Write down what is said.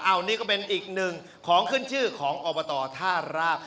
อันนี้ก็เป็นอีกหนึ่งของขึ้นชื่อของอบตท่าราบ